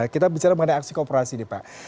kita bicara mengenai aksi kooperasi nih pak